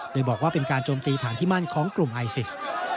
โดยบอกว่าเป็นการโจมตีฐานที่มั่นของกลุ่มไอซิส